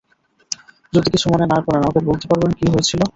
যদি কিছু মনে না করেন আমাকে বলতে পারবেন কী হয়েছিল?